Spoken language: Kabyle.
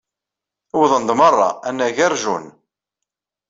Wwḍen-d merra anagar Jun.